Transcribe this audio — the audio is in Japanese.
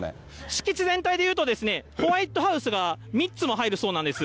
敷地全体でいうとホワイトハウスが３つも入るそうなんです。